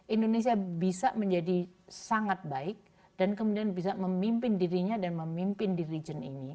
indonesia bisa menjadi sangat baik dan kemudian bisa memimpin dirinya dan memimpin di region ini